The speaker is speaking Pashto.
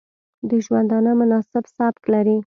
د ژوندانه مناسب سبک لري